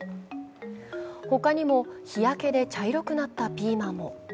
他にも日焼けで茶色くなったピーマンも。